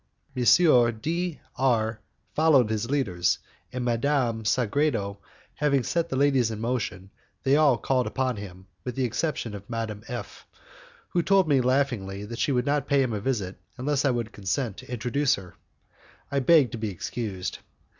M. D R followed his leaders, and Madame Sagredo, having set the ladies in motion, they all called upon him, with the exception of Madame F , who told me laughingly that she would not pay him a visit unless I would consent to introduce her. I begged to be excused.